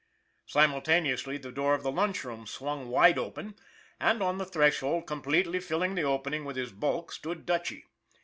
Simultaneously the door of the lunch room swung wide open, and on the threshold, completely filling the opening with his bulk, stood Dutchy.